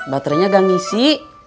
baterainya nggak ngisi